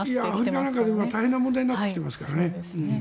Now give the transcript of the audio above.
アメリカとか大変な問題になってきていますからね。